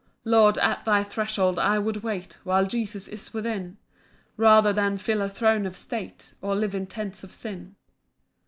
8 Lord, at thy threshold I would wait, While Jesus is within, Rather than fill a throne of state, Or live in tents of sin.